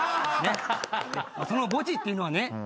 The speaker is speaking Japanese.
その墓地っていうのはね